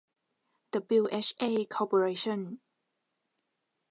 ดับบลิวเอชเอ คอร์ปอเรชั่น